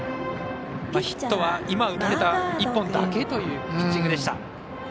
ヒットは今、打たれた１本だけというピッチングでした。